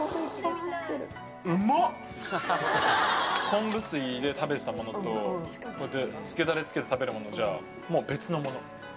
昆布水で食べたものと、こうやって、つけだれつけて食べるものじゃ、もう別のもの。